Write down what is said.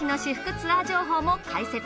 ツアー情報も解説。